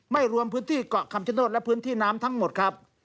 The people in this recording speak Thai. รวมพื้นที่เกาะคำชโนธและพื้นที่น้ำทั้งหมดครับ